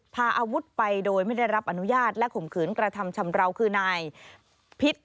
พาอาวุธไปโดยไม่ได้รับอนุญาตและข่มขืนกระทำชำราวคือนายพิษ